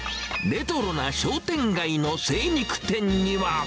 レトロな商店街の精肉店には。